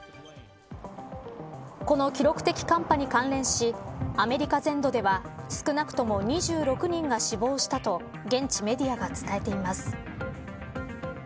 この記録的寒波に関連しアメリカ全土では少なくとも２６人が死亡したと現地メディアが伝えています。